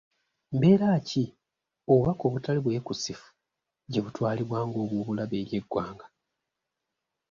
Mbeeraki obubaka obutali bwekusifu gye butwalibwa ng'obwobulabe eri eggwanga.